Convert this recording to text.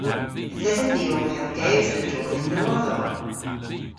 Yth esen vy ow pellgewsel a-dro dhe'n nowodhow.